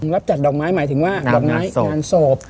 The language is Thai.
รับจัดดอกไม้หมายถึงว่างานศพ